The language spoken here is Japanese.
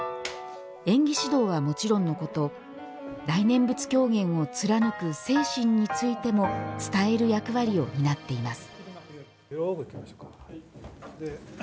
演技指導はもちろんのこと大念仏狂言を貫く精神についても伝える役割を担っています。